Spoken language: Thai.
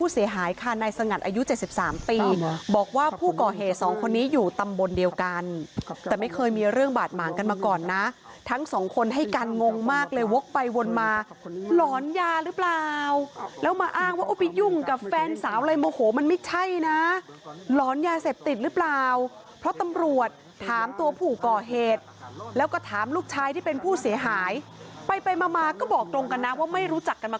ค่ะนายสงัดอายุ๗๓ปีบอกว่าผู้ก่อเหตุสองคนนี้อยู่ตำบลเดียวกันแต่ไม่เคยมีเรื่องบาดหมางกันมาก่อนนะทั้งสองคนให้การงงมากเลยวกไปวนมาหลอนยาหรือเปล่าแล้วมาอ้างว่าไปยุ่งกับแฟนสาวเลยโมโหมันไม่ใช่นะหลอนยาเสพติดหรือเปล่าเพราะตำรวจถามตัวผู้ก่อเหตุแล้วก็ถามลูกชายที่เป็นผู้เสียหายไปไปมามาก็บอกตรงกันนะว่าไม่รู้จักกันมา